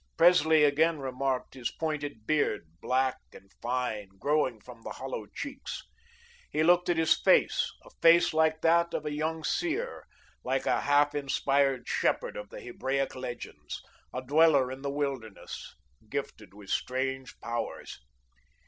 Presley again remarked his pointed beard, black and fine, growing from the hollow cheeks. He looked at his face, a face like that of a young seer, like a half inspired shepherd of the Hebraic legends, a dweller in the wilderness, gifted with strange powers.